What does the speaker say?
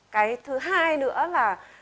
cái thứ hai nữa là